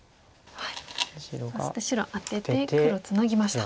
そして白アテて黒ツナぎました。